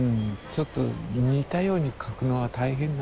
ちょっと似たように描くのは大変なんで。